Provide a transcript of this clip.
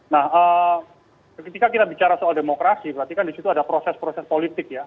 nah ketika kita bicara soal demokrasi berarti kan disitu ada proses proses politik ya